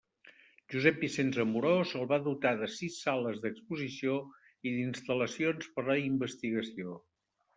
Josep Vicenç Amorós el va dotar de sis sales d’exposició i d’instal·lacions per a investigació.